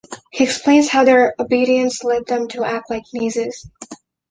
He explains how their obedience led them to act like Nazis.